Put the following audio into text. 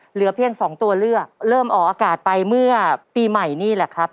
เหลือเพียงสองตัวเลือกเริ่มออกอากาศไปเมื่อปีใหม่นี่แหละครับ